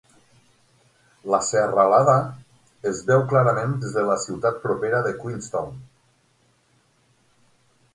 La serralada es veu clarament des de la ciutat propera de Queenstown.